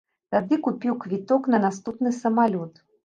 Тады купіў квіток на наступны самалёт.